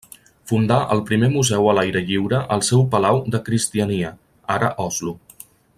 Fundà el primer museu a l'aire lliure al seu palau de Cristiania, ara Oslo.